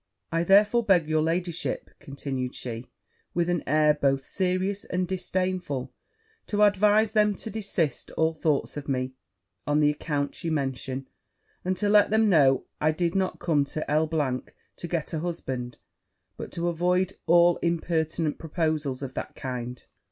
I therefore beg your ladyship,' continued she, with an air both serious and disdainful, 'to advise them to desist all thoughts of me on the account you mention, and to let them know I did not come to L e to get a husband, but to avoid all impertinent proposals of that kind.'